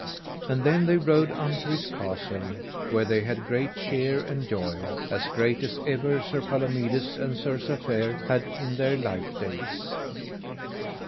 And then they rode unto his castle, where they had great cheer and joy, as great as ever Sir Palomides and Sir Safere had in their life days.